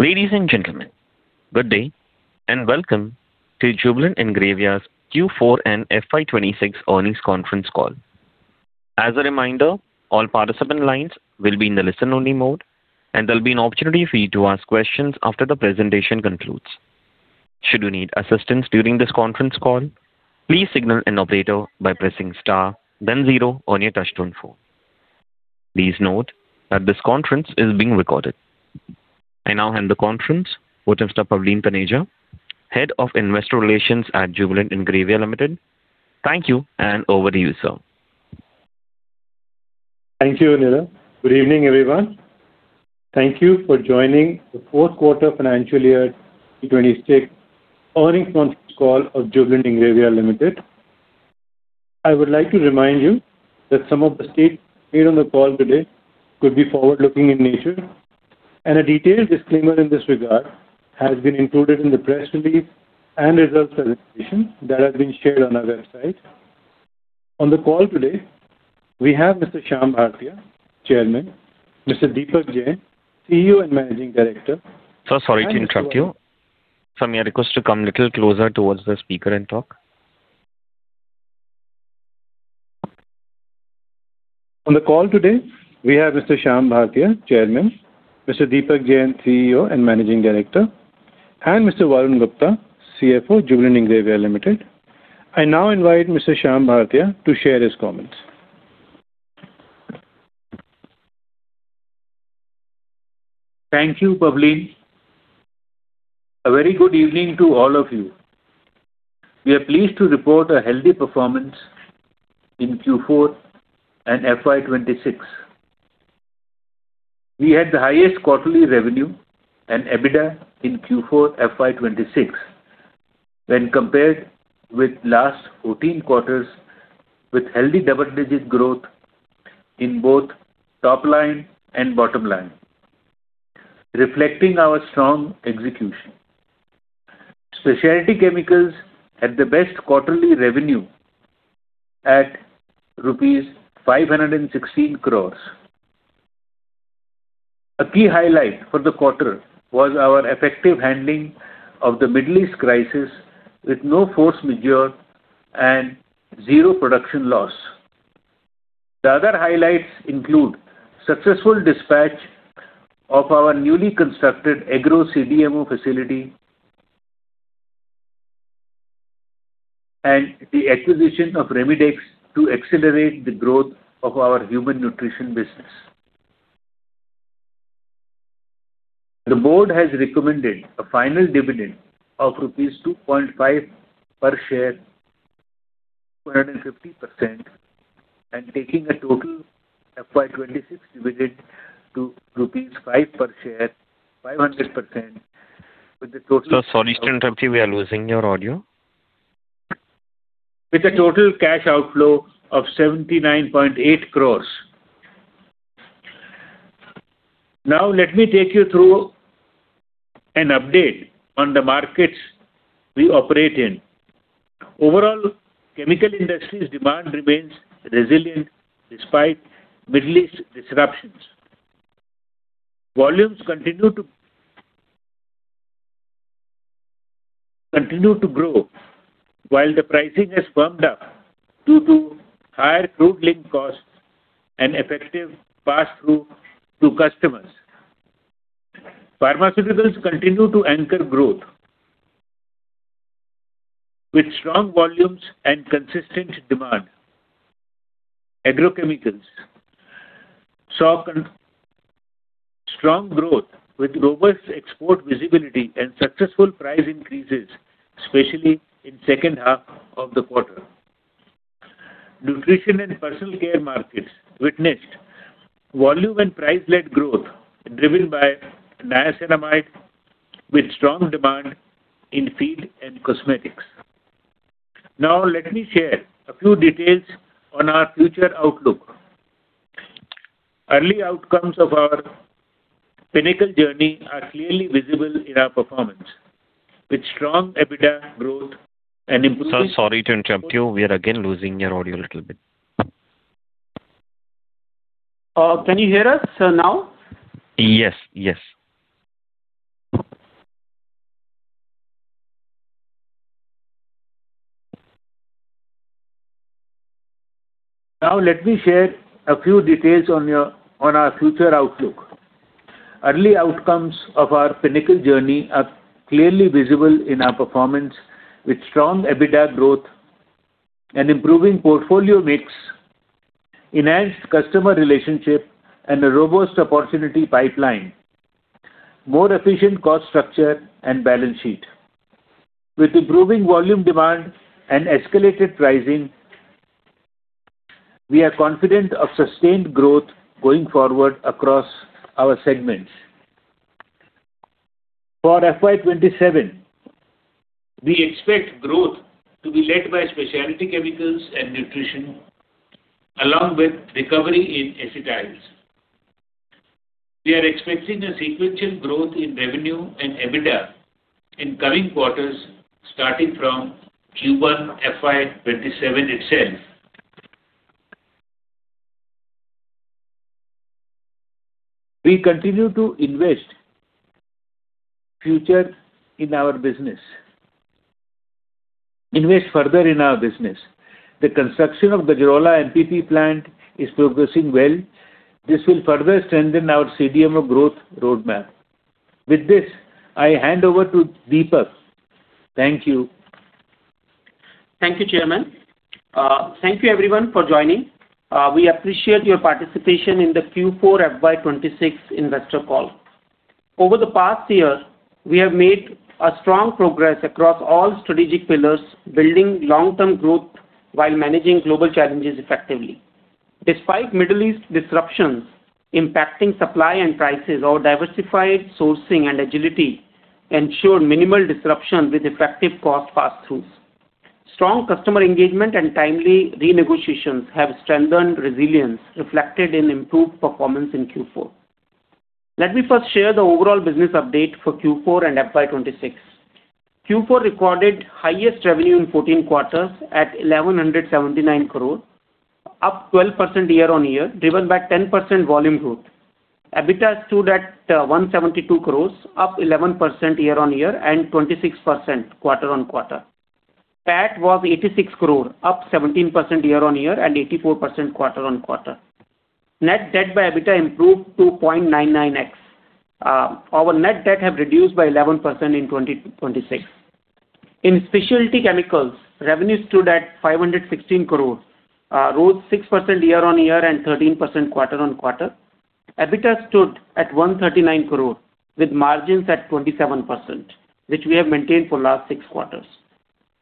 Ladies and gentlemen, good day and welcome to Jubilant Ingrevia's Q4 and FY 2026 earnings conference call. As a reminder, all participant lines will be in the listen only mode, and there'll be an opportunity for you to ask questions after the presentation concludes. Should you need assistance during this conference call, please signal an operator by pressing star then zero on your touchtone phone. Please note that this conference is being recorded. I now hand the conference over to Mr. Pavleen Taneja, Head of Investor Relations at Jubilant Ingrevia Limited. Thank you, and over to you, sir. Thank you, Anil. Good evening, everyone. Thank you for joining the fourth quarter financial year 2026 earnings conference call of Jubilant Ingrevia Limited. I would like to remind you that some of the statements made on the call today could be forward-looking in nature, and a detailed disclaimer in this regard has been included in the press release and results presentation that has been shared on our website. On the call today, we have Mr. Shyam Bhartia, Chairman, Mr. Deepak Jain, CEO and Managing Director. Sir, sorry to interrupt you. Sir, may I request to come a little closer towards the speaker and talk? On the call today, we have Mr. Shyam Bhartia, Chairman, Mr. Deepak Jain, CEO and Managing Director, and Mr. Varun Gupta, CFO, Jubilant Ingrevia Limited. I now invite Mr. Shyam Bhartia to share his comments. Thank you, Pavleen. A very good evening to all of you. We are pleased to report a healthy performance in Q4 and FY 2026. We had the highest quarterly revenue and EBITDA in Q4 FY 2026 when compared with last 14 quarters, with healthy double-digit growth in both top line and bottom line, reflecting our strong execution. Specialty chemicals had the best quarterly revenue at rupees 516 crores. A key highlight for the quarter was our effective handling of the Middle East crisis with no force majeure and zero production loss. The other highlights include successful dispatch of our newly constructed agro CDMO facility and the acquisition of Remidex to accelerate the growth of our human nutrition business. The board has recommended a final dividend of rupees 2.5 per share, 250%, and taking a total FY 2026 dividend to INR five per share, 500%. Sir, sorry to interrupt you. We are losing your audio. With a total cash outflow of INR 79.8 crores. Let me take you through an update on the markets we operate in. Overall, chemical industries demand remains resilient despite Middle East disruptions. Volumes continue to grow while the pricing has firmed up due to higher crude link costs and effective passthrough to customers. Pharmaceuticals continue to anchor growth with strong volumes and consistent demand. Agrochemicals saw strong growth with robust export visibility and successful price increases, especially in second half of the quarter. Nutrition and personal care markets witnessed volume and price-led growth driven by niacinamide with strong demand in feed and cosmetics. Let me share a few details on our future outlook. Early outcomes of our Pinnacle Journey are clearly visible in our performance. With strong EBITDA growth and improving. Sir, sorry to interrupt you. We are again losing your audio a little bit. Can you hear us now? Yes. Now let me share a few details on our future outlook. Early outcomes of our Pinnacle Journey are clearly visible in our performance with strong EBITDA growth and improving portfolio mix, enhanced customer relationship and a robust opportunity pipeline, more efficient cost structure and balance sheet. With improving volume demand and escalated pricing, we are confident of sustained growth going forward across our segments. For FY 2027, we expect growth to be led by specialty chemicals and nutrition, along with recovery in acetyls. We are expecting a sequential growth in revenue and EBITDA in coming quarters starting from Q1 FY 2027 itself. We continue to invest further in our business. The construction of the Gajraula MPP plant is progressing well. This will further strengthen our CDMO growth roadmap. With this, I hand over to Deepak Jain. Thank you. Thank you, Chairman. Thank you everyone for joining. We appreciate your participation in the Q4 FY 2026 investor call. Over the past year, we have made a strong progress across all strategic pillars, building long-term growth while managing global challenges effectively. Despite Middle East disruptions impacting supply and prices, our diversified sourcing and agility ensure minimal disruption with effective cost passthroughs. Strong customer engagement and timely renegotiations have strengthened resilience, reflected in improved performance in Q4. Let me first share the overall business update for Q4 and FY 2026. Q4 recorded highest revenue in 14 quarters at 1,179 crore, up 12% year-on-year, driven by 10% volume growth. EBITDA stood at 172 crores, up 11% year-on-year and 26% quarter-on-quarter. PAT was 86 crore, up 17% year-on-year and 84% quarter-on-quarter. Net Debt to EBITDA improved to 0.99x. Our net debt have reduced by 11% in 2026. In Specialty Chemicals, revenue stood at 516 crore, rose 6% year-on-year and 13% quarter-on-quarter. EBITDA stood at 139 crore with margins at 27%, which we have maintained for last six quarters.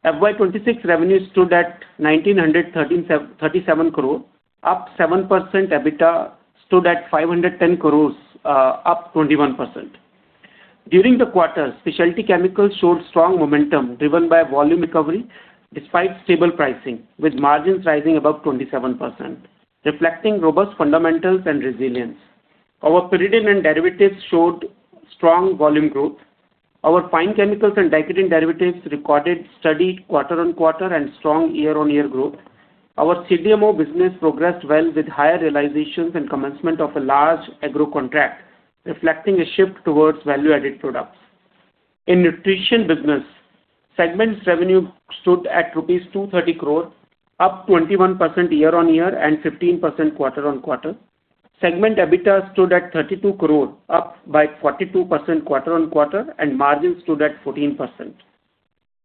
FY 2026 revenues stood at 1,937 crore, up 7%. EBITDA stood at 510 crore, up 21%. During the quarter, Specialty Chemicals showed strong momentum driven by volume recovery despite stable pricing, with margins rising above 27%, reflecting robust fundamentals and resilience. Our pyridine and derivatives showed strong volume growth. Our fine chemicals and picoline derivatives recorded steady quarter-on-quarter and strong year-on-year growth. Our CDMO business progressed well with higher realizations and commencement of a large agro contract, reflecting a shift towards value-added products. In Nutrition business, segment's revenue stood at rupees 230 crore, up 21% year-on-year and 15% quarter-on-quarter. Segment EBITDA stood at 32 crore, up by 42% quarter-on-quarter, and margin stood at 14%.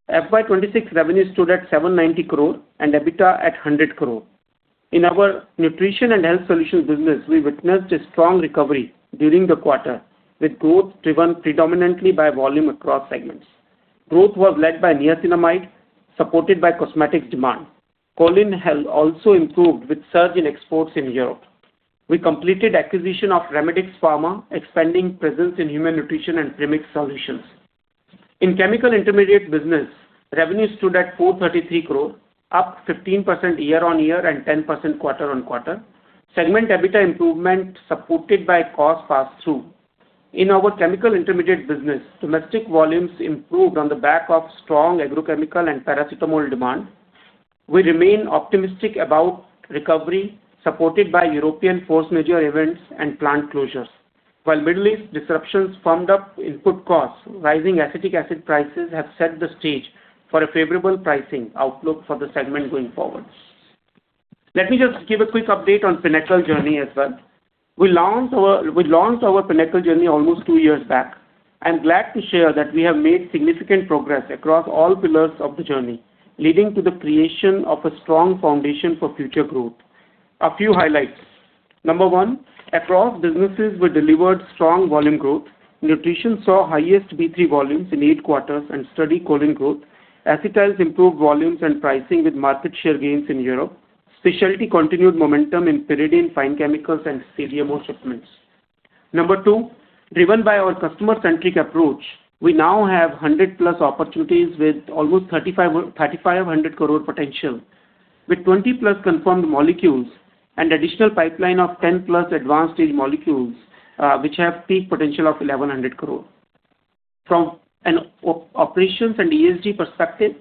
FY 2026 revenue stood at 790 crore and EBITDA at 100 crore. In our Nutrition and Health Solution business, we witnessed a strong recovery during the quarter, with growth driven predominantly by volume across segments. Growth was led by niacinamide, supported by cosmetic demand. Choline health also improved with surge in exports in Europe. We completed acquisition of Remidex Pharma, expanding presence in human nutrition and premix solutions. In Chemical Intermediate business, revenue stood at 433 crore, up 15% year-on-year and 10% quarter-on-quarter. Segment EBITDA improvement supported by cost passthrough. In our Chemical Intermediate business, domestic volumes improved on the back of strong agrochemical and paracetamol demand. We remain optimistic about recovery supported by European force majeure events and plant closures. While Middle East disruptions firm up input costs, rising acetic acid prices have set the stage for a favorable pricing outlook for the segment going forward. Let me just give a quick update on Pinnacle journey as well. We launched our Pinnacle journey almost two years back. I'm glad to share that we have made significant progress across all pillars of the journey, leading to the creation of a strong foundation for future growth. A few highlights. Number one, across businesses, we delivered strong volume growth. Nutrition saw highest B3 volumes in eight quarters and steady choline growth. Acetyls improved volumes and pricing with market share gains in Europe. Specialty continued momentum in pyridine, fine chemicals and CDMO shipments. Number two, driven by our customer-centric approach, we now have 100-plus opportunities with almost 3,500 crore potential, with 20-plus confirmed molecules and additional pipeline of 10-plus advanced stage molecules, which have peak potential of 1,100 crore. From an operations and ESG perspective,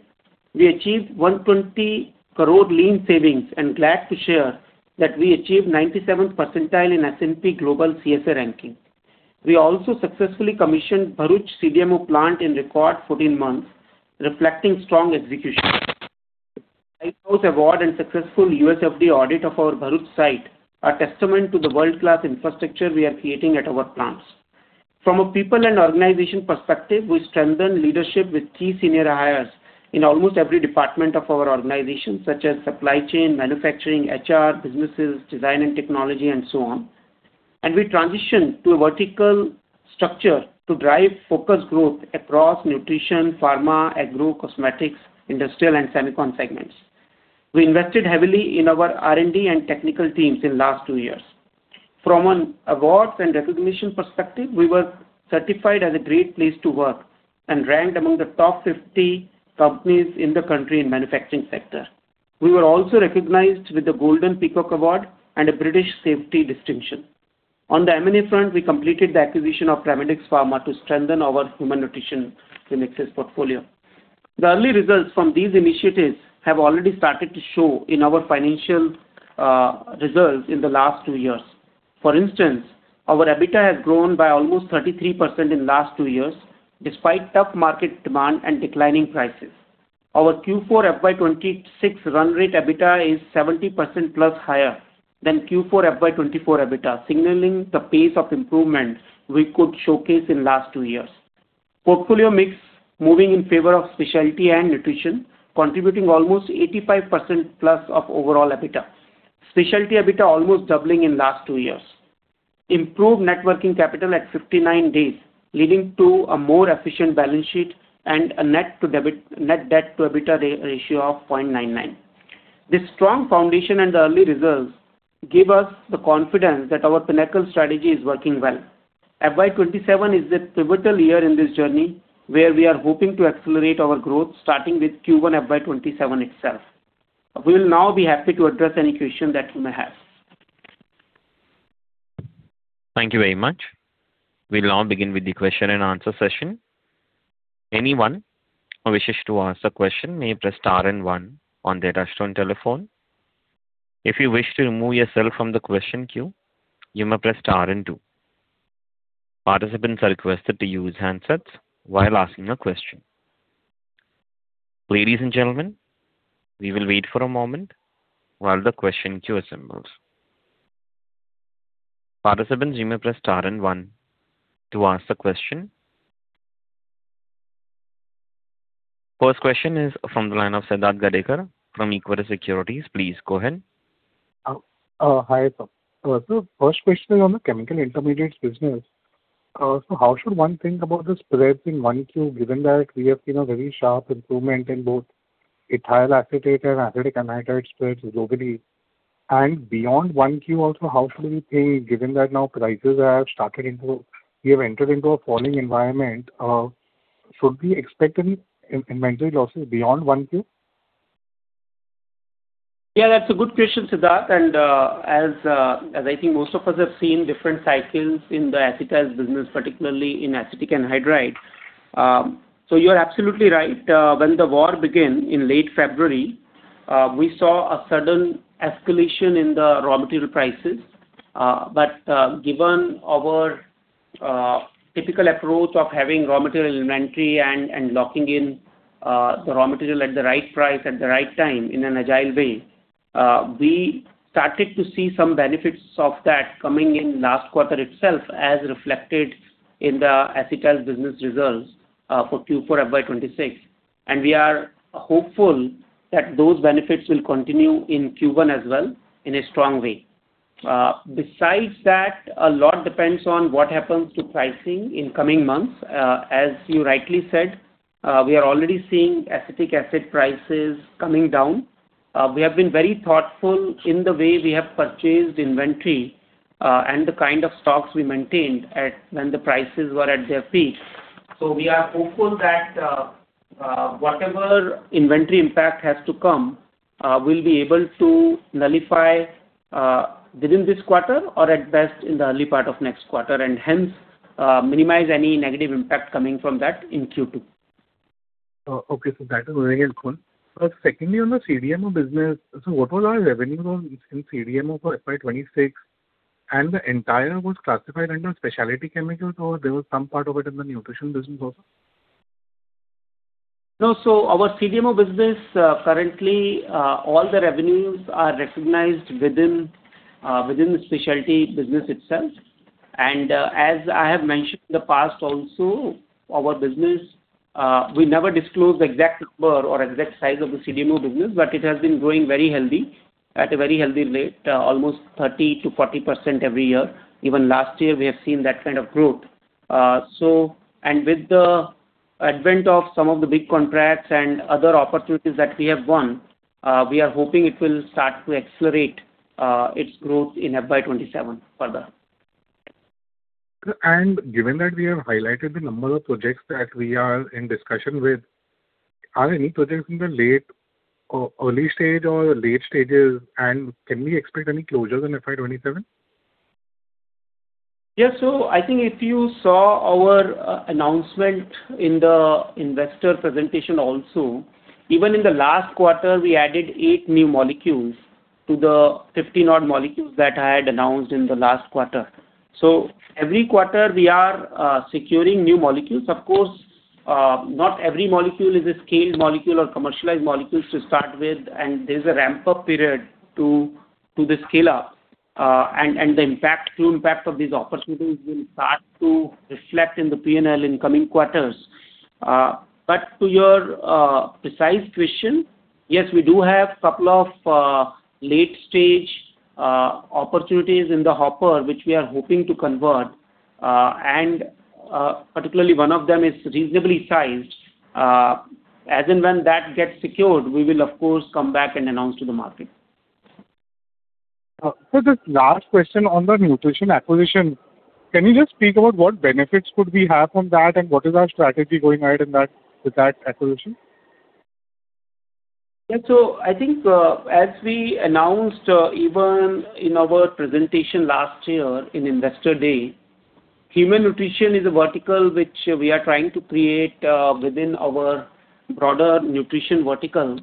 we achieved 120 crore lean savings and glad to share that we achieved 97th percentile in S&P Global CSA ranking. We also successfully commissioned Bharuch CDMO plant in record 14 months, reflecting strong execution. award and successful U.S. FDA audit of our Bharuch site are testament to the world-class infrastructure we are creating at our plants. From a people and organization perspective, we strengthen leadership with key senior hires in almost every department of our organization, such as supply chain, manufacturing, HR, businesses, design and technology, and so on. We transitioned to a vertical structure to drive focused growth across Nutrition, Pharma, Agro, Cosmetics, Industrial and Silicon segments. We invested heavily in our R&D and technical teams in last two years. From an awards and recognition perspective, we were certified as a great place to work and ranked among the top 50 companies in the country in manufacturing sector. We were also recognized with the Golden Peacock Award and a British safety distinction. On the M&A front, we completed the acquisition of Remidex Pharma to strengthen our human nutrition premixes portfolio. The early results from these initiatives have already started to show in our financial results in the last two years. For instance, our EBITDA has grown by almost 33% in last two years despite tough market demand and declining prices. Our Q4 FY 2026 run rate EBITDA is 70% plus higher than Q4 FY 2024 EBITDA, signaling the pace of improvements we could showcase in last two years. Portfolio mix moving in favor of specialty and nutrition, contributing almost 85% plus of overall EBITDA. Specialty EBITDA almost doubling in last two years. Improved networking capital at 59 days, leading to a more efficient balance sheet and a net debt to EBITDA ratio of 0.99. This strong foundation and early results give us the confidence that our Pinnacle strategy is working well. FY 2027 is a pivotal year in this journey where we are hoping to accelerate our growth, starting with Q1 FY 2027 itself. We'll now be happy to address any question that you may have. Thank you very much. We'll now begin with the question and answer session. Anyone who wishes to ask a question may press star and one on their touchtone telephone. If you wish to remove yourself from the question queue, you may press star and two. Participants are requested to use handsets while asking a question. Ladies and gentlemen, we will wait for a moment while the question queue assembles. Participants you may press star and one to ask the question. First question is from the line of Siddharth Gadekar from Equirus Securities. Please go ahead. Hi, sir. First question is on the chemical intermediates business. How should one think about the spread in 1Q, given that we have seen a very sharp improvement in both ethyl acetate and acetic anhydride spreads globally. Beyond 1Q also, how should we think, given that now We have entered into a falling environment, should we expect an inventory also beyond 1Q? That's a good question, Siddharth. As I think most of us have seen different cycles in the acetyls business, particularly in acetic anhydride. You're absolutely right. When the war began in late February, we saw a sudden escalation in the raw material prices. Given our typical approach of having raw material inventory and locking in the raw material at the right price at the right time in an agile way, we started to see some benefits of that coming in last quarter itself, as reflected in the acetyls business results for Q4 FY 2026. We are hopeful that those benefits will continue in Q1 as well in a strong way. Besides that, a lot depends on what happens to pricing in coming months. You rightly said, we are already seeing acetic acid prices coming down. We have been very thoughtful in the way we have purchased inventory and the kind of stocks we maintained when the prices were at their peak. We are hopeful that whatever inventory impact has to come, we'll be able to nullify within this quarter or at best in the early part of next quarter, and hence minimize any negative impact coming from that in Q2. Okay. That is very helpful. Secondly, on the CDMO business. What was our revenue from CDMO for FY 2026? The entire was classified under specialty chemicals, or there was some part of it in the nutrition business also? No. Our CDMO business currently, all the revenues are recognized within the specialty business itself. As I have mentioned in the past also, our business, we never disclose the exact number or exact size of the CDMO business, but it has been growing very healthy, at a very healthy rate, almost 30%-40% every year. Even last year, we have seen that kind of growth. With the advent of some of the big contracts and other opportunities that we have won, we are hoping it will start to accelerate its growth in FY 2027 further. Given that we have highlighted the number of projects that we are in discussion with, are any projects in the early stage or late stages, and can we expect any closures in FY 2027? Yeah. I think if you saw our announcement in the investor presentation also, even in the last quarter, we added eight new molecules to the 50-odd molecules that I had announced in the last quarter. Every quarter we are securing new molecules. Of course, not every molecule is a scale molecule or commercialized molecule to start with, and there's a ramp-up period to the scale-up. The full impact of these opportunities will start to reflect in the P&L in coming quarters. To your precise question, yes, we do have couple of late-stage opportunities in the hopper which we are hoping to convert, and particularly one of them is reasonably sized. As and when that gets secured, we will of course come back and announce to the market. Sir, this last question on the nutrition acquisition. Can you just speak about what benefits could we have from that and what is our strategy going ahead with that acquisition? Yeah. I think as we announced even in our presentation last year in Investor Day, human nutrition is a vertical which we are trying to create within our broader nutrition vertical.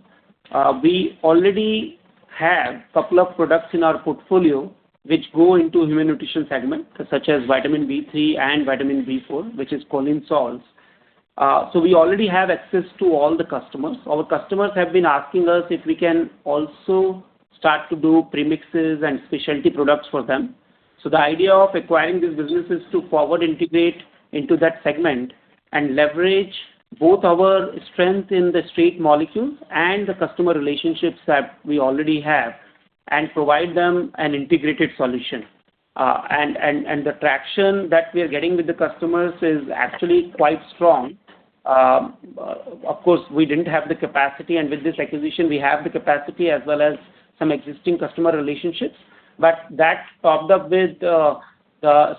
We already have couple of products in our portfolio which go into human nutrition segment, such as vitamin B3 and vitamin B4, which is choline salts. We already have access to all the customers. Our customers have been asking us if we can also start to do premixes and specialty products for them. The idea of acquiring this business is to forward integrate into that segment and leverage both our strength in the straight molecules and the customer relationships that we already have and provide them an integrated solution. The traction that we are getting with the customers is actually quite strong. Of course, we didn't have the capacity. With this acquisition, we have the capacity as well as some existing customer relationships. That, topped up with the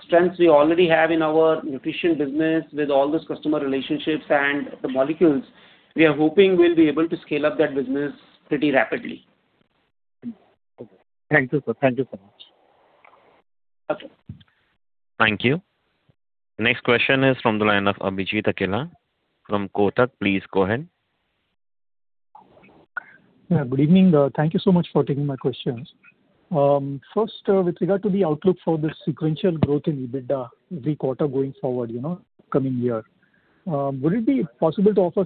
strengths we already have in our nutrition business with all those customer relationships and the molecules, we are hoping we'll be able to scale up that business pretty rapidly. Okay. Thank you, sir. Thank you so much. Okay. Thank you. Next question is from the line of Abhijit Akella from Kotak Securities. Please go ahead. Yeah, good evening. Thank you so much for taking my questions. First, with regard to the outlook for the sequential growth in EBITDA every quarter going forward, coming year, would it be possible to offer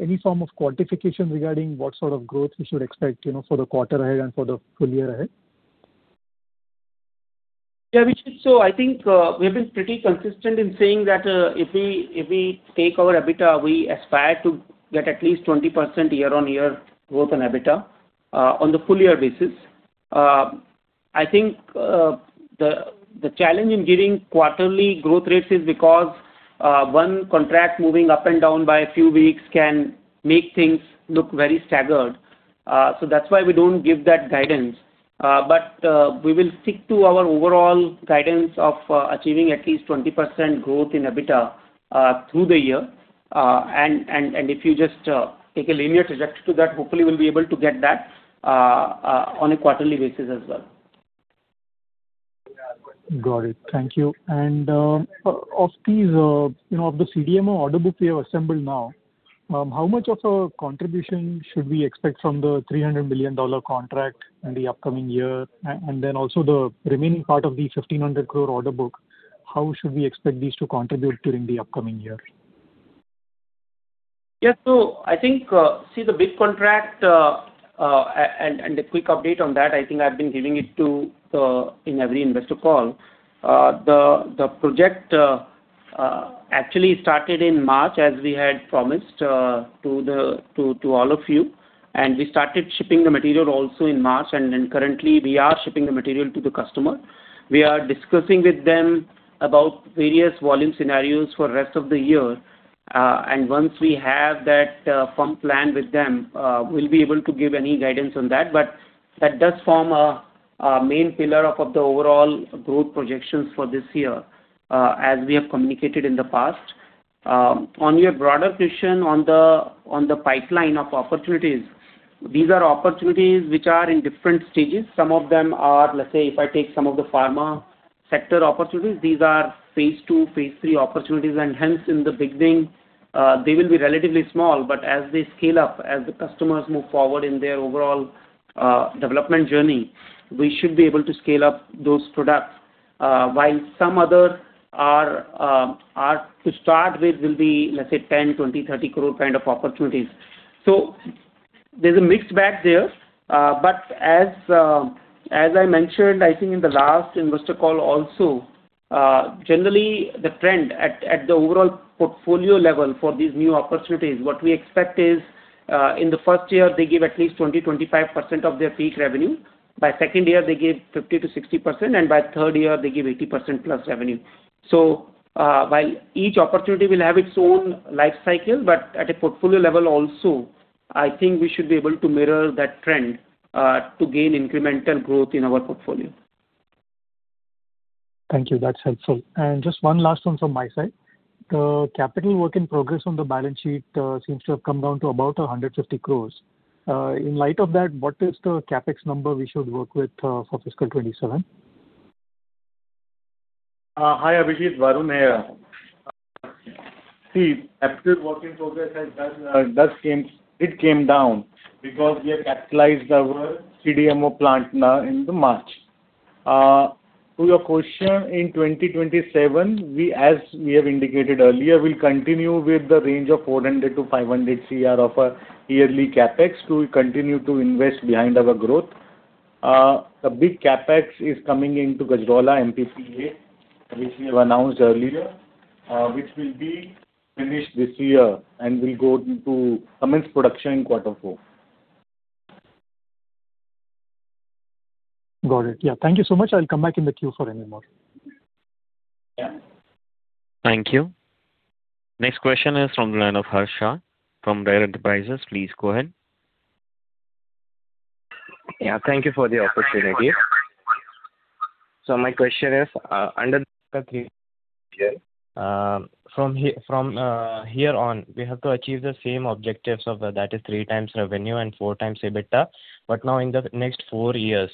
any form of quantification regarding what sort of growth we should expect for the quarter ahead and for the full year ahead? Yeah, Abhijit. I think we've been pretty consistent in saying that if we take our EBITDA, we aspire to get at least 20% year-on-year growth on EBITDA on the full year basis. I think the challenge in giving quarterly growth rates is because one contract moving up and down by a few weeks can make things look very staggered. That's why we don't give that guidance. We will stick to our overall guidance of achieving at least 20% growth in EBITDA through the year. If you just take a linear trajectory to that, hopefully we'll be able to get that on a quarterly basis as well. Got it. Thank you. Of these, of the CDMO order book you have assembled now, how much of a contribution should we expect from the $300 million contract in the upcoming year? Also the remaining part of the 1,500 crore order book, how should we expect these to contribute during the upcoming year? I think, see the big contract, and a quick update on that, I think I've been giving it in every investor call. The project actually started in March, as we had promised to all of you, and we started shipping the material also in March, and then currently we are shipping the material to the customer. We are discussing with them about various volume scenarios for rest of the year. Once we have that firm plan with them, we'll be able to give any guidance on that. That does form a main pillar of the overall growth projections for this year, as we have communicated in the past. On your broader question on the pipeline of opportunities, these are opportunities which are in different stages. Some of them are, let's say, if I take some of the pharma sector opportunities, these are phase II, phase III opportunities. Hence in the beginning, they will be relatively small. As they scale up, as the customers move forward in their overall development journey, we should be able to scale up those products, while some others are to start with will be, let's say, 10 crore, 20 crore, 30 crore kind of opportunities. There's a mixed bag there. As I mentioned, I think in the last investor call also, generally the trend at the overall portfolio level for these new opportunities, what we expect is, in the first year, they give at least 20%-25% of their peak revenue. By second year, they give 50%-60%, by third year, they give 80% plus revenue. While each opportunity will have its own life cycle, but at a portfolio level also, I think we should be able to mirror that trend to gain incremental growth in our portfolio. Thank you. That's helpful. Just one last one from my side. The capital work in progress on the balance sheet seems to have come down to about 150 crores. In light of that, what is the CapEx number we should work with for fiscal 2027? Hi, Abhijit. Varun here. See, capital work in progress, it came down because we have capitalized our CDMO plant now in March. To your question, in 2027, as we have indicated earlier, we'll continue with the range of 400 crore-500 crore of our yearly CapEx to continue to invest behind our growth. A big CapEx is coming into Gajraula MPP, which we have announced earlier, which will be finished this year and will commence production in quarter four. Got it. Yeah. Thank you so much. I'll come back in the queue for any more. Thank you. Next question is from the line of Harsh Shah from. Please go ahead. Yeah, thank you for the opportunity. My question is, under the from here on, we have to achieve the same objectives, that is three times revenue and four times EBITDA, but now in the next four years.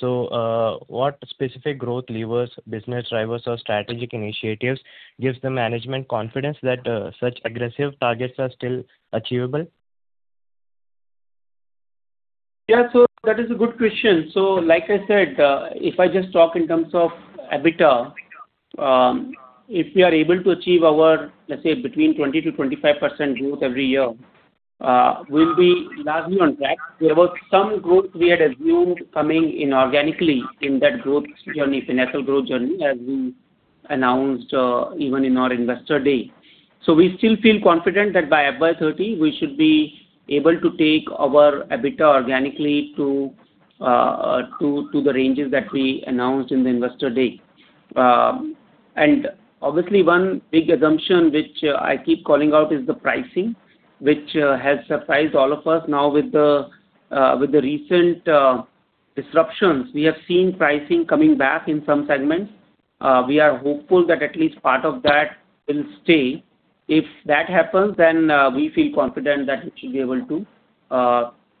What specific growth levers, business drivers, or strategic initiatives gives the management confidence that such aggressive targets are still achievable? Yeah. That is a good question. Like I said, if I just talk in terms of EBITDA, if we are able to achieve our, let's say, between 20%-25% growth every year, we'll be largely on track. There was some growth we had assumed coming inorganically in that Pinnacle growth journey as we announced even in our Investor Day. We still feel confident that by FY 2030, we should be able to take our EBITDA organically to the ranges that we announced in the Investor Day. Obviously one big assumption, which I keep calling out is the pricing, which has surprised all of us. Now with the recent disruptions, we have seen pricing coming back in some segments. We are hopeful that at least part of that will stay. If that happens, then we feel confident that we should be able to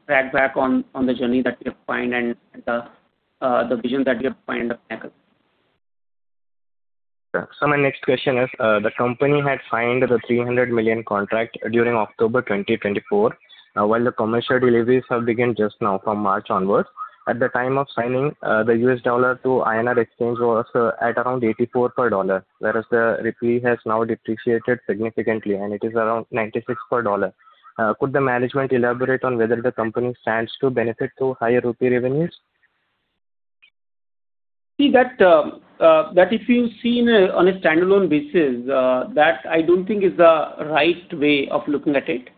track back on the journey that we have planned and the vision that we have planned at Pinnacle. Sure. My next question is, the company had signed the $300 million contract during October 2024, while the commercial deliveries have begun just now from March onwards. At the time of signing, the US dollar to INR exchange was at around 84 per dollar, whereas the rupee has now depreciated significantly, and it is around 96 per dollar. Could the management elaborate on whether the company stands to benefit to higher rupee revenues? See, that if you've seen on a standalone basis, that I don't think is the right way of looking at it.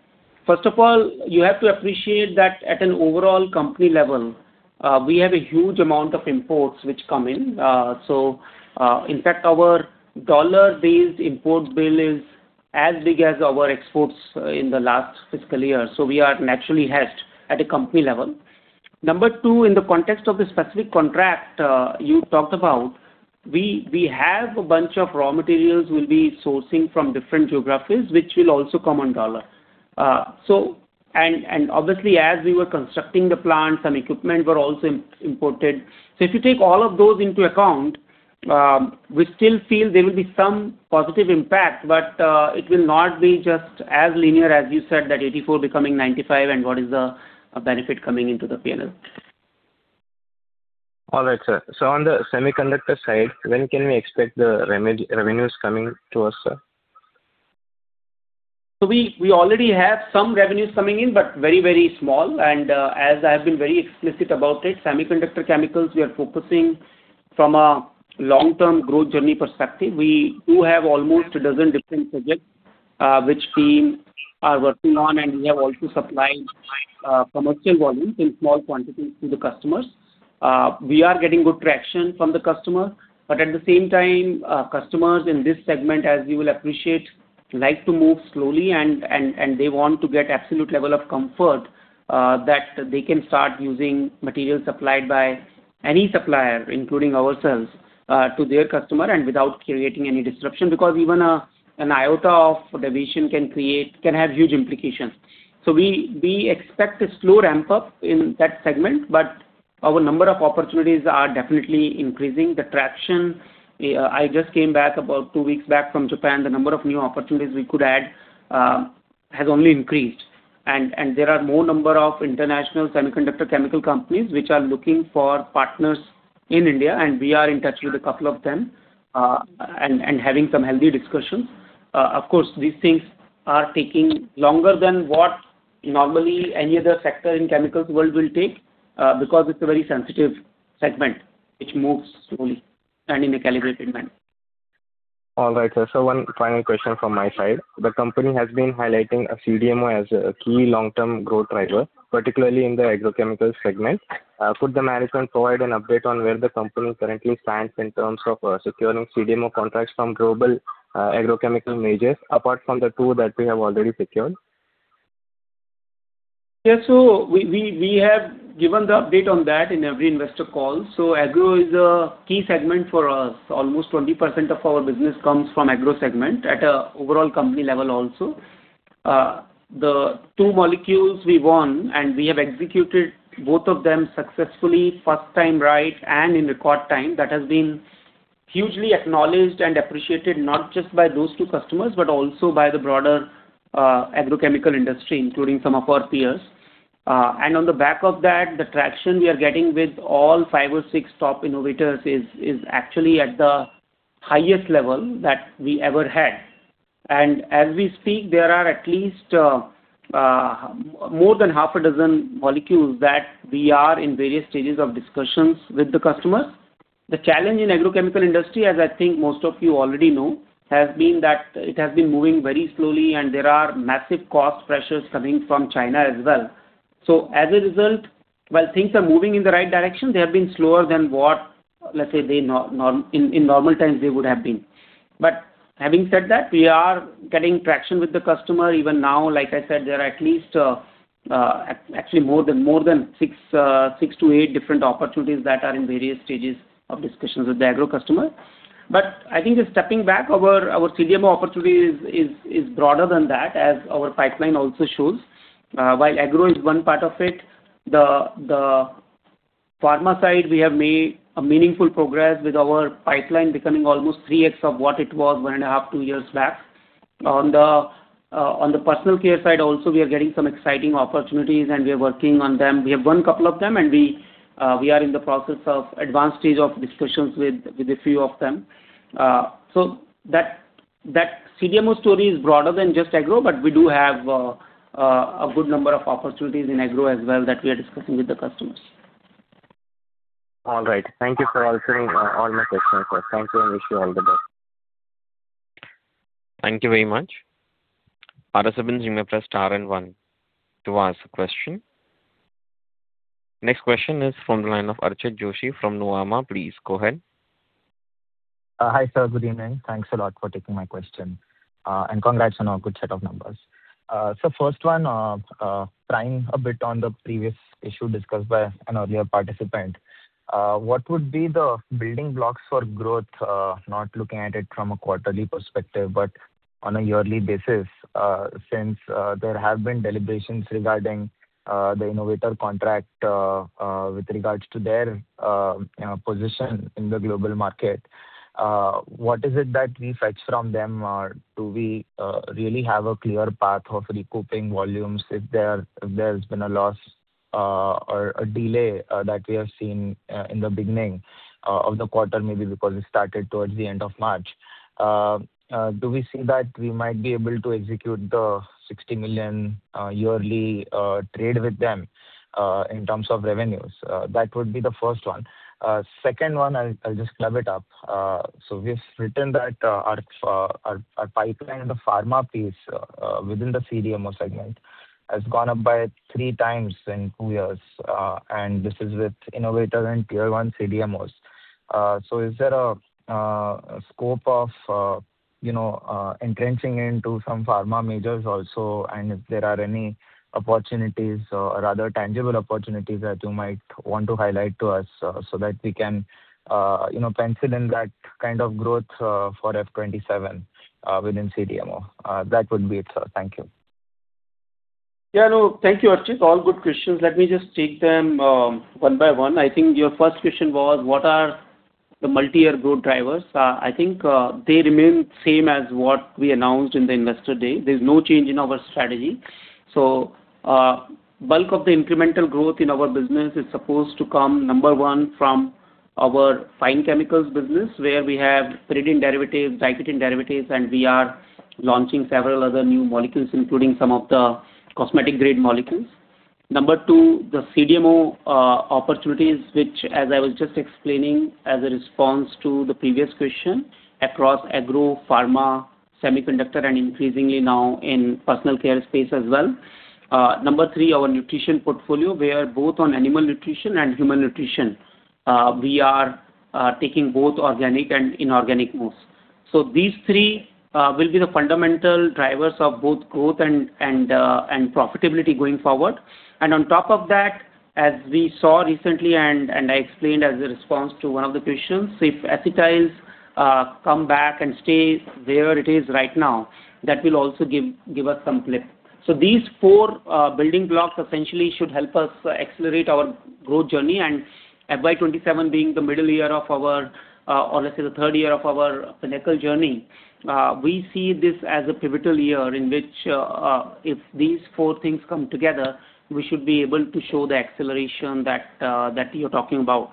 First of all, you have to appreciate that at an overall company level, we have a huge amount of imports which come in. In fact, our dollar-based import bill is as big as our exports in the last fiscal year. We are naturally hedged at a company level. Number two, in the context of the specific contract you talked about, we have a bunch of raw materials we'll be sourcing from different geographies, which will also come on dollar. Obviously, as we were constructing the plant, some equipment were also imported. If you take all of those into account, we still feel there will be some positive impact, but it will not be just as linear as you said that 84 becoming 95, and what is the benefit coming into the P&L. All right, sir. On the semiconductor side, when can we expect the revenues coming to us, sir? We already have some revenues coming in, but very, very small. As I have been very explicit about it, semiconductor chemicals, we are focusing from a long-term growth journey perspective. We do have almost a dozen different subjects, which we are working on, and we have also supplied commercial volumes in small quantities to the customers. We are getting good traction from the customer, but at the same time, customers in this segment, as you will appreciate, like to move slowly and they want to get absolute level of comfort that they can start using materials supplied by any supplier, including ourselves, to their customer and without creating any disruption, because even an iota of deviation can have huge implications. We expect a slow ramp-up in that segment, but our number of opportunities are definitely increasing. The traction, I just came back about two weeks back from Japan. The number of new opportunities we could add has only increased, and there are more number of international semiconductor chemical companies which are looking for partners in India, and we are in touch with a couple of them, and having some healthy discussions. Of course, these things are taking longer than what normally any other sector in chemicals world will take, because it's a very sensitive segment which moves slowly and in a calibrated manner. All right, sir. One final question from my side. The company has been highlighting CDMO as a key long-term growth driver, particularly in the agrochemicals segment. Could the management provide an update on where the company currently stands in terms of securing CDMO contracts from global agrochemical majors, apart from the two that we have already secured? We have given the update on that in every investor call. Agro is a key segment for us. Almost 20% of our business comes from agro segment at an overall company level also. The two molecules we won, and we have executed both of them successfully first time right and in record time. That has been hugely acknowledged and appreciated, not just by those two customers, but also by the broader agrochemical industry, including some of our peers. On the back of that, the traction we are getting with all five or six top innovators is actually at the highest level that we ever had. As we speak, there are at least more than half a dozen molecules that we are in various stages of discussions with the customers. The challenge in agrochemical industry, as I think most of you already know, has been that it has been moving very slowly, and there are massive cost pressures coming from China as well. As a result, while things are moving in the right direction, they have been slower than what, let's say, in normal times they would have been. Having said that, we are getting traction with the customer even now. Like I said, there are at leastActually, more than six to eight different opportunities that are in various stages of discussions with the agro customer. I think just stepping back, our CDMO opportunity is broader than that, as our pipeline also shows. While agro is one part of it, the pharma side, we have made a meaningful progress with our pipeline becoming almost 3x of what it was one and a half, two years back. On the personal care side also, we are getting some exciting opportunities and we are working on them. We have won a couple of them, and we are in the process of advanced stage of discussions with a few of them. That CDMO story is broader than just agro, but we do have a good number of opportunities in agro as well that we are discussing with the customers. All right. Thank you for answering all my questions. Thank you, and wish you all the best. Thank you very much. Next question is from the line of Archit Joshi from Nuvama. Please go ahead. Hi, sir. Good evening. Thanks a lot for taking my question, and congrats on a good set of numbers. First one, prying a bit on the previous issue discussed by an earlier participant. What would be the building blocks for growth? Not looking at it from a quarterly perspective, but on a yearly basis, since there have been deliberations regarding the innovator contract with regards to their position in the global market. What is it that we fetch from them? Do we really have a clear path of recouping volumes if there's been a loss or a delay that we have seen in the beginning of the quarter? Maybe because it started towards the end of March. Do we see that we might be able to execute the 60 million yearly trade with them in terms of revenues? That would be the first one. Second one, I'll just club it up. We've written that our pipeline in the pharma piece within the CDMO segment has gone up by three times in two years. This is with innovator and Tier 1 CDMOs. Is there a scope of entrenching into some pharma majors also? If there are any opportunities or other tangible opportunities that you might want to highlight to us so that we can pencil in that kind of growth for FY 2027 within CDMO. That would be it, sir. Thank you. Thank you, Archit. All good questions. Let me just take them one by one. I think your first question was, what are the multi-year growth drivers? I think they remain same as what we announced in the investor day. There's no change in our strategy. Bulk of the incremental growth in our business is supposed to come, number one, from our fine chemicals business, where we have pyridine derivatives, piperidine derivatives, and we are launching several other new molecules, including some of the cosmetic-grade molecules. Number two, the CDMO opportunities, which as I was just explaining as a response to the previous question, across agro, pharma, semiconductor, and increasingly now in personal care space as well. Number three, our nutrition portfolio, where both on animal nutrition and human nutrition, we are taking both organic and inorganic moves. These three will be the fundamental drivers of both growth and profitability going forward. On top of that, as we saw recently, and I explained as a response to one of the questions, if acetyls come back and stay where it is right now, that will also give us some lift. These four building blocks essentially should help us accelerate our growth journey. FY 2027 being the middle year of our, or let's say the third year of our Pinnacle Journey, we see this as a pivotal year in which if these four things come together, we should be able to show the acceleration that you're talking about.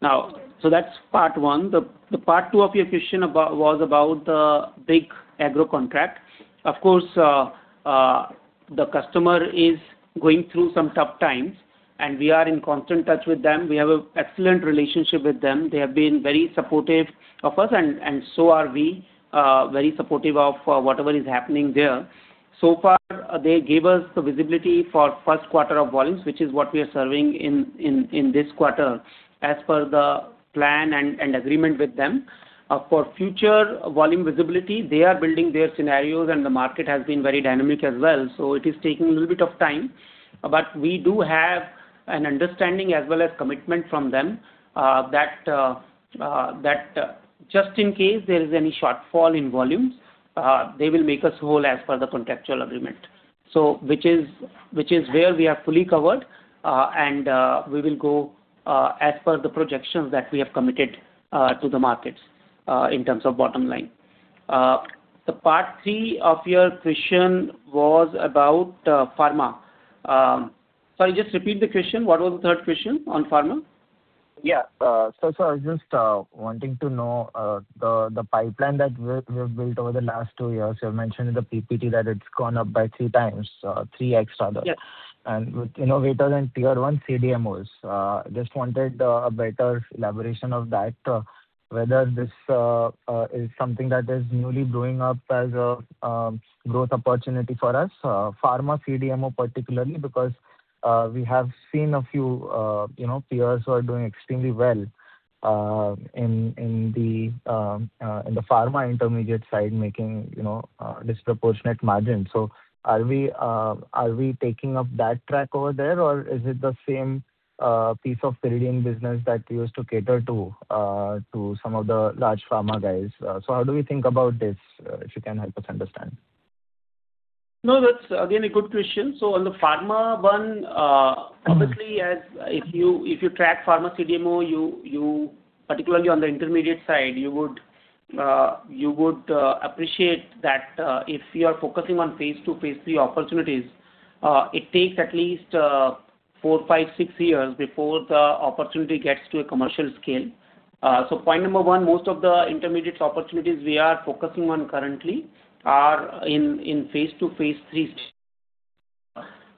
That's part one. The part two of your question was about the big agro contract. Of course, the customer is going through some tough times, and we are in constant touch with them. We have an excellent relationship with them. They have been very supportive of us, and so are we, very supportive of whatever is happening there. So far, they gave us the visibility for first quarter of volumes, which is what we are serving in this quarter as per the plan and agreement with them. For future volume visibility, they are building their scenarios and the market has been very dynamic as well. It is taking a little bit of time. We do have an understanding as well as commitment from them, that just in case there is any shortfall in volumes, they will make us whole as per the contractual agreement. Which is where we are fully covered, and we will go as per the projections that we have committed to the markets in terms of bottom line. The part three of your question was about pharma. Sorry, just repeat the question. What was the third question on pharma? Yeah. I was just wanting to know the pipeline that you've built over the last two years. You've mentioned in the PPT that it's gone up by three times, so three X rather. With innovators and tier one CDMOs. Just wanted a better elaboration of that, whether this is something that is newly blowing up as a growth opportunity for us, pharma CDMO particularly because we have seen a few peers who are doing extremely well in the pharma intermediate side making disproportionate margins. Are we taking up that track over there, or is it the same piece of pyridine business that used to cater to some of the large pharma guys? How do we think about this? If you can help us understand. That's again a good question. On the pharma one, obviously, if you track pharma CDMO, particularly on the intermediate side, you would appreciate that if you are focusing on phase II, phase III opportunities, it takes at least four, five, six years before the opportunity gets to a commercial scale. Point number one, most of the intermediates opportunities we are focusing on currently are in phase II, phase III.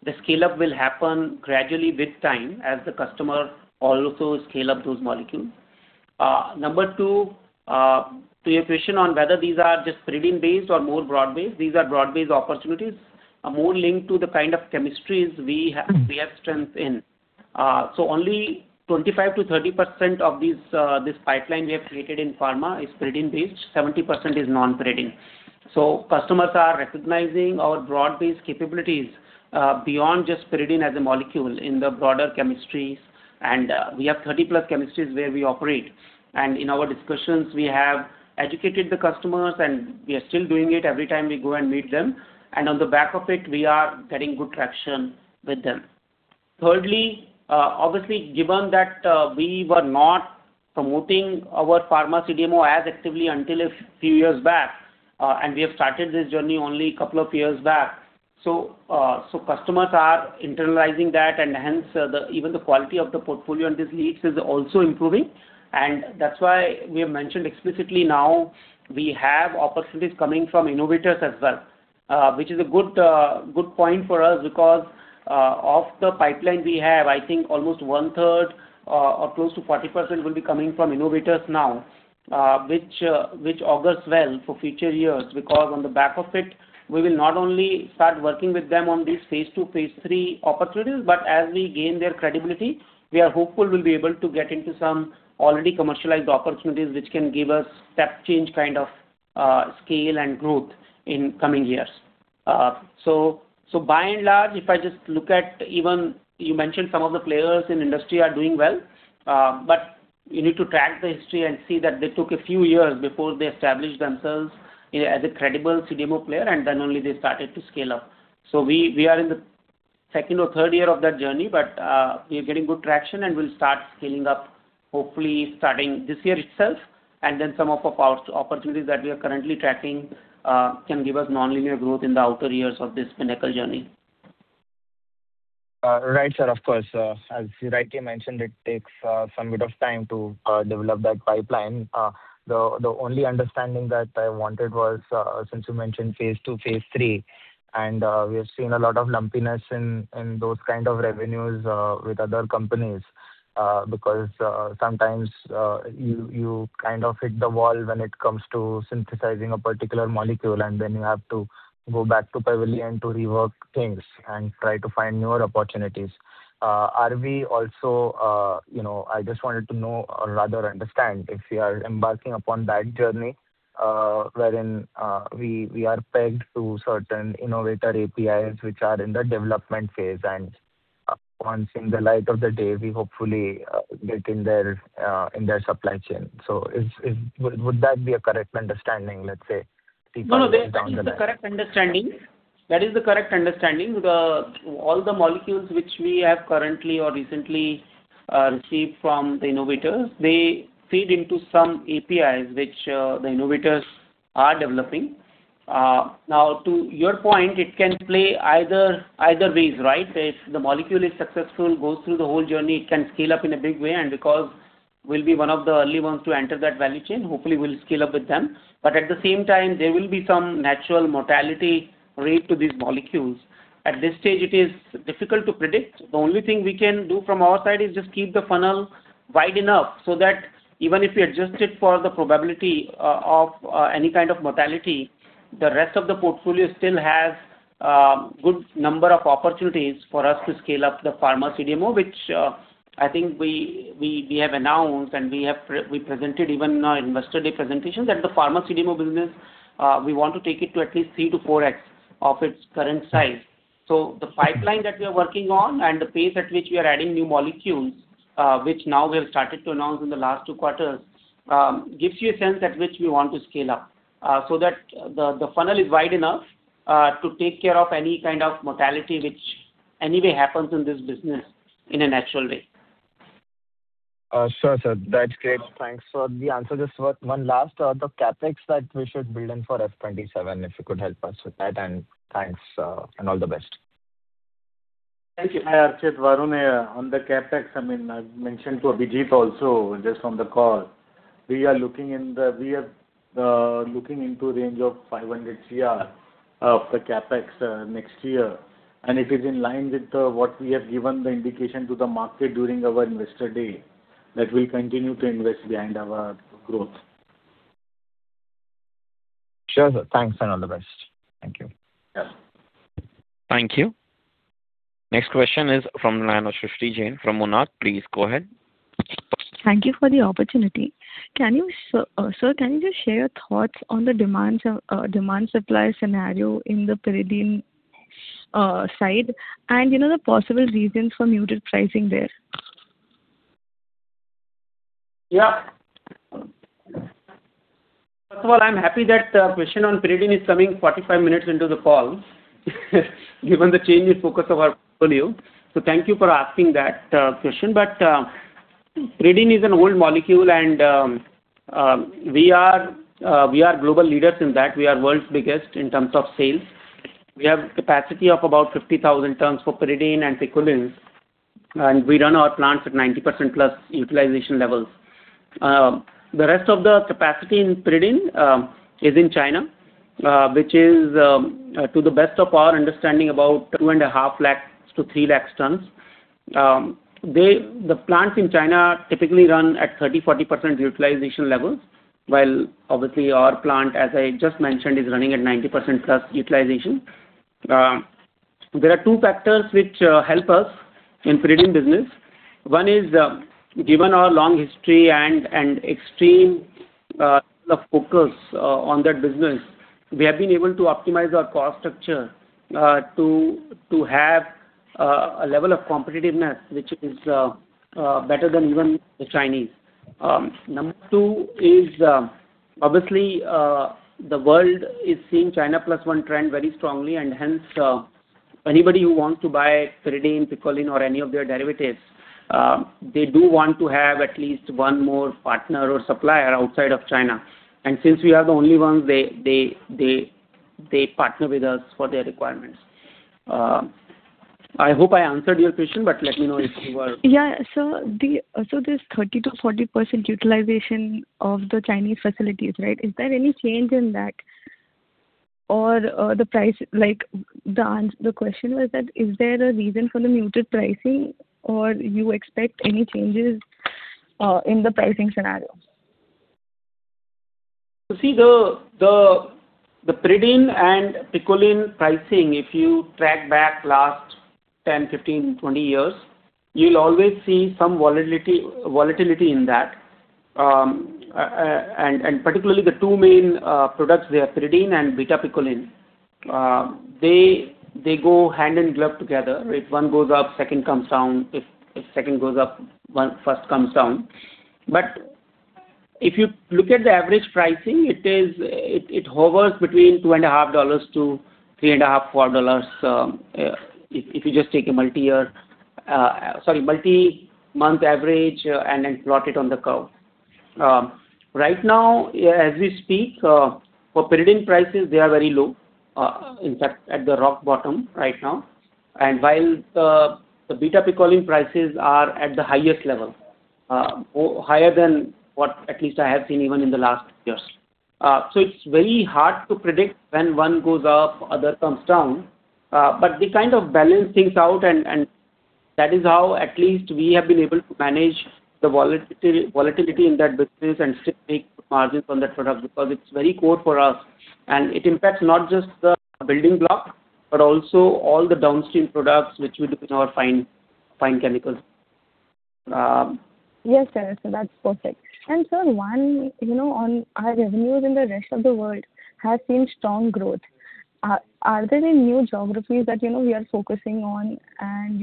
The scale-up will happen gradually with time as the customer also scale up those molecules. Number two, to your question on whether these are just pyridine-based or more broad-based, these are broad-based opportunities, more linked to the kind of chemistries we have strength in. Only 25%-30% of this pipeline we have created in pharma is pyridine-based, 70% is non-pyridine. Customers are recognizing our broad-based capabilities, beyond just pyridine as a molecule in the broader chemistries, and we have 30-plus chemistries where we operate. In our discussions, we have educated the customers, and we are still doing it every time we go and meet them. On the back of it, we are getting good traction with them. Thirdly, obviously, given that we were not promoting our pharma CDMO as actively until a few years back, and we have started this journey only a couple of years back. Customers are internalizing that, and hence, even the quality of the portfolio and these leads is also improving. That's why we have mentioned explicitly now we have opportunities coming from innovators as well, which is a good point for us because of the pipeline we have, I think almost one third or close to 40% will be coming from innovators now, which augurs well for future years. On the back of it, we will not only start working with them on these phase II, phase III opportunities, but as we gain their credibility, we are hopeful we'll be able to get into some already commercialized opportunities, which can give us step change kind of scale and growth in coming years. By and large, if I just look at even You mentioned some of the players in industry are doing well. You need to track the history and see that they took a few years before they established themselves as a credible CDMO player, and then only they started to scale up. We are in the second or third year of that journey, but we are getting good traction, and we'll start scaling up, hopefully starting this year itself, and then some of the opportunities that we are currently tracking can give us nonlinear growth in the outer years of this Pinnacle journey. Right, sir. Of course. As you rightly mentioned, it takes some bit of time to develop that pipeline. The only understanding that I wanted was, since you mentioned phase II, phase III, and we have seen a lot of lumpiness in those kind of revenues with other companies, because sometimes you kind of hit the wall when it comes to synthesizing a particular molecule, and then you have to go back to pavilion and to rework things and try to find newer opportunities. I just wanted to know or rather understand if we are embarking upon that journey, wherein we are pegged to certain innovator APIs which are in the development phase, and once in the light of the day, we hopefully get in their supply chain. Would that be a correct understanding, let's say, six months down the line? No, that is the correct understanding. All the molecules which we have currently or recently received from the innovators, they feed into some APIs which the innovators are developing. To your point, it can play either ways, right? If the molecule is successful, goes through the whole journey, it can scale up in a big way, and because we'll be one of the early ones to enter that value chain, hopefully we'll scale up with them. At the same time, there will be some natural mortality rate to these molecules. At this stage, it is difficult to predict. The only thing we can do from our side is just keep the funnel wide enough so that even if we adjust it for the probability of any kind of mortality. The rest of the portfolio still has a good number of opportunities for us to scale up the pharma CDMO, which I think we have announced, and we presented even in our investor day presentation that the pharma CDMO business, we want to take it to at least three to four x of its current size. The pipeline that we are working on and the pace at which we are adding new molecules, which now we have started to announce in the last two quarters, gives you a sense at which we want to scale up so that the funnel is wide enough to take care of any kind of mortality, which anyway happens in this business in a natural way. Sure, sir. That's great. Thanks for the answer. Just one last, the CapEx that we should build in for FY 2027, if you could help us with that, and thanks, and all the best. Thank you. Hi, Archit, Varun here. On the CapEx, I've mentioned to Abhijit also just on the call. We are looking into range of 500 crore of the CapEx next year, and it is in line with what we have given the indication to the market during our investor day, that we'll continue to invest behind our growth. Sure. Thanks, and all the best. Thank you. Thank you. Next question is from the line of Srishti Jain from Monarch Networth Capital. Please go ahead. Thank you for the opportunity. Sir, can you share thoughts on the demand-supply scenario in the pyridine side and the possible reasons for muted pricing there? Yeah. First of all, I'm happy that the question on pyridine is coming 45 minutes into the call given the change in focus of our portfolio. Thank you for asking that question. Pyridine is an old molecule, and we are global leaders in that. We are world's biggest in terms of sales. We have a capacity of about 50,000 tonnes for pyridine and picolines, and we run our plants at 90% plus utilization levels. The rest of the capacity in pyridine is in China, which is, to the best of our understanding, about 2.5 lakh to 3 lakh tonnes. The plants in China typically run at 30%, 40% utilization levels, while obviously our plant, as I just mentioned, is running at 90% plus utilization. There are two factors which help us in pyridine business. One is, given our long history and extreme focus on that business, we have been able to optimize our cost structure to have a level of competitiveness which is better than even the Chinese. Number two is, obviously, the world is seeing China Plus One trend very strongly, and hence anybody who wants to buy pyridine, picoline or any of their derivatives, they do want to have at least one more partner or supplier outside of China. I hope I answered your question, but let me know. Yeah. Sir, this 30%-40% utilization of the Chinese facilities, is there any change in that? The question was that is there a reason for the muted pricing, or you expect any changes in the pricing scenario? You see the pyridine and picoline pricing, if you track back last 10, 15, 20 years, you'll always see some volatility in that. Particularly the two main products, pyridine and beta picoline. They go hand in glove together. If one goes up, second comes down. If second goes up, first comes down. If you look at the average pricing, it hovers between two and a half dollars to three and a half, four dollars, if you just take a multi-month average and then plot it on the curve. Right now, as we speak, for pyridine prices, they are very low. In fact, at the rock bottom right now. While the beta picoline prices are at the highest level, higher than what at least I have seen even in the last six years. It's very hard to predict when one goes up, other comes down. They kind of balance things out, that is how at least we have been able to manage the volatility in that business and still make margins on that product because it's very core for us. It impacts not just the building block, but also all the downstream products which you look in our fine chemicals. Yes, sir. That's perfect. Sir, one on our revenues in the rest of the world has seen strong growth. Are there any new geographies that we are focusing on, and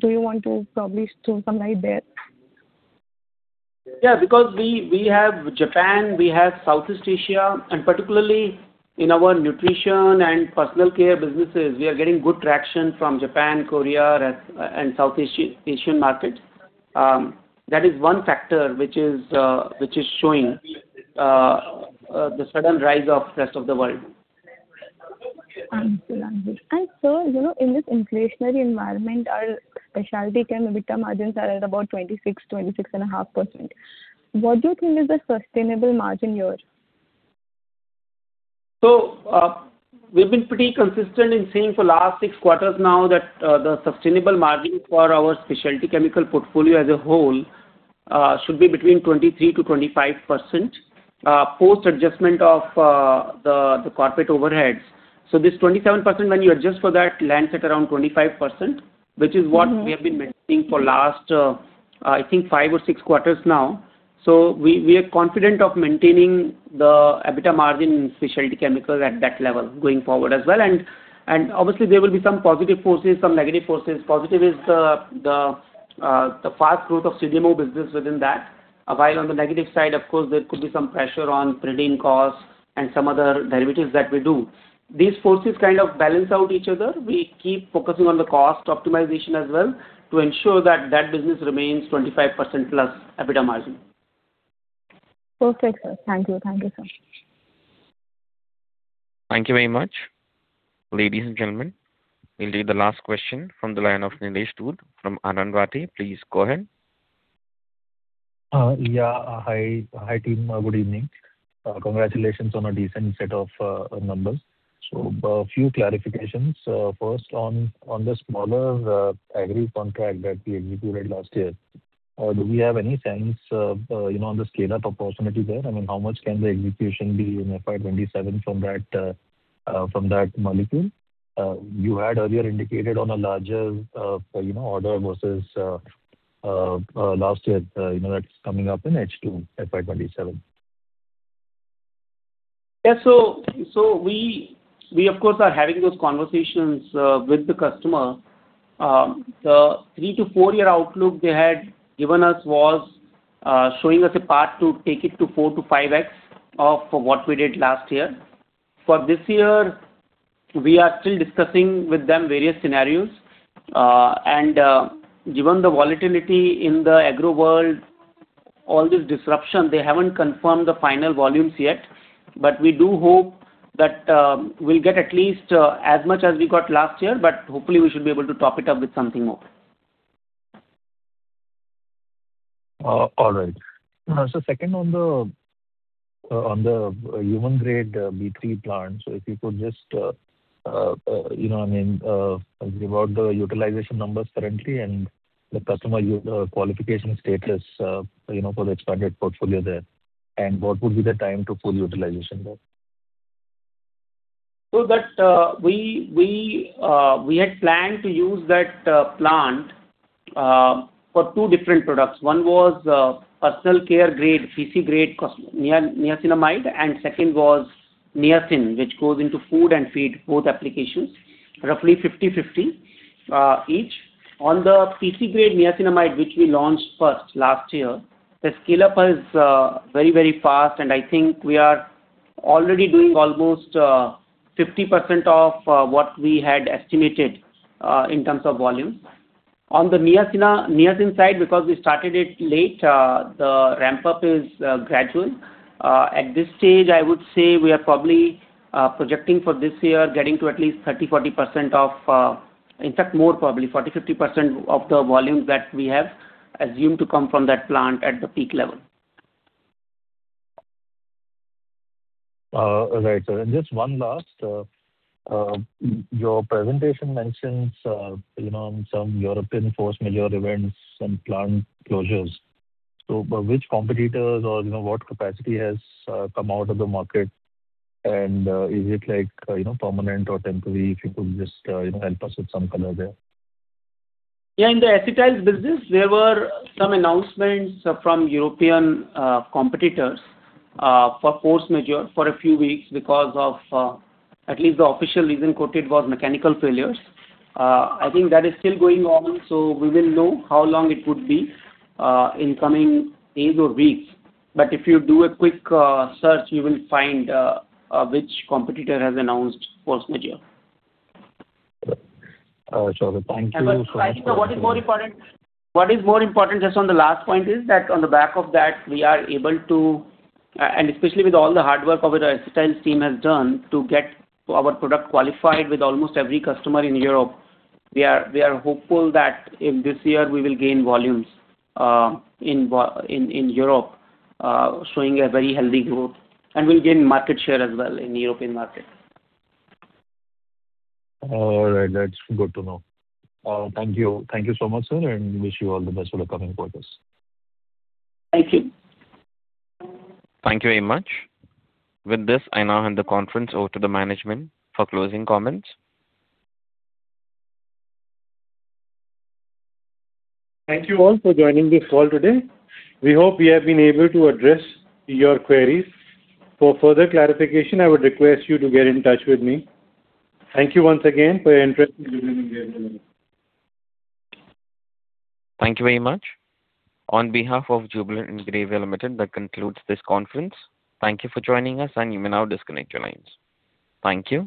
do you want to probably throw some light there? We have Japan, we have Southeast Asia, and particularly in our nutrition and personal care businesses, we are getting good traction from Japan, Korea, and Southeast Asian markets. That is one factor which is showing the sudden rise of rest of the world. Absolutely. sir, in this inflationary environment, our specialty chemical EBITDA margins are at about 26.5%. What do you think is the sustainable margin here? We've been pretty consistent in saying for the last six quarters now that the sustainable margin for our specialty chemical portfolio as a whole should be between 23%-25% post adjustment of the corporate overheads. This 27%, when you adjust for that, lands at around 25%, which is what we have been maintaining for the last, I think five or six quarters now. We are confident of maintaining the EBITDA margin in specialty chemical at that level going forward as well. Obviously, there will be some positive forces, some negative forces. Positive is the fast growth of CDMO business within that. While on the negative side, of course, there could be some pressure on pyridine costs and some other derivatives that we do. These forces kind of balance out each other. We keep focusing on the cost optimization as well to ensure that that business remains 25% plus EBITDA margin. Perfect, sir. Thank you. Thank you very much. Ladies and gentlemen, this is the last question from the line of Nitesh Dhoot from Anand Rathi. Please go ahead. Hi, team. Good evening. Congratulations on a decent set of numbers. A few clarifications. First, on the smaller agri contract that we executed last year. Or do we have any sense on the scale-up approximately there? I mean, how much can the execution be in FY 2027 from that molecule? You had earlier indicated on a larger order versus last year that's coming up in H2 FY 2027. Yeah. We, of course, are having those conversations with the customer. The three to four-year outlook they had given us was showing us a path to take it to 4 to 5x of what we did last year. For this year, we are still discussing with them various scenarios. Given the volatility in the agro world, all this disruption, they haven't confirmed the final volumes yet. We do hope that we'll get at least as much as we got last year, but hopefully we should be able to top it up with something more. All right. Second on the human-grade B3 plant. If you could just give out the utilization numbers currently and the customer qualification status for the expanded portfolio there, and what would be the time to full utilization there? So that we had planned to use that plant for two different products. One was personal care grade, PC grade niacinamide, and second was niacin, which goes into food and feed, both applications, roughly 50/50 each. On the PC grade niacinamide, which we launched first last year, the scale-up is very, very fast, and I think we are already doing almost 50% of what we had estimated in terms of volume. On the niacin side, because we started it late, the ramp-up is gradual. At this stage, I would say we are probably projecting for this year getting to at least 30%-40% of, in fact, more probably 40%-50% of the volume that we have assumed to come from that plant at the peak level. Just one last. Your presentation mentions some European force majeure events, some plant closures. Which competitors or what capacity has come out of the market, and is it permanent or temporary? If you could just help us with some color there. In the acetyl business, there were some announcements from European competitors for force majeure for a few weeks because of at least the official reason quoted was mechanical failures. I think that is still going on. We will know how long it would be in coming days or weeks. If you do a quick search, you will find which competitor has announced force majeure. Okay. Thank you so much. What is more important, just on the last point, is that on the back of that, we are able to, and especially with all the hard work our sales team has done to get our product qualified with almost every customer in Europe. We are hopeful that in this year we will gain volumes in Europe, showing a very healthy growth, and we'll gain market share as well in European market. All right. That's good to know. Thank you. Thank you so much, and wish you all the best for the coming quarters. Thank you. Thank you very much. With this, I now hand the conference over to the management for closing comments. Thank you all for joining this call today. We hope we have been able to address your queries. For further clarification, I would request you to get in touch with me. Thank you once again for your interest in Jubilant Ingrevia Limited. Thank you very much. On behalf of Jubilant Ingrevia Limited, that concludes this conference. Thank you for joining us, and you may now disconnect your lines. Thank you.